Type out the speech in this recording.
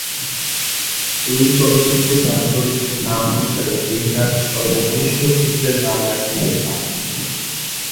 এই চলচ্চিত্রে তার চরিত্রে নামানুসারে তিনি তার সর্বকনিষ্ঠ পুত্রের নাম রাখেন ইথান।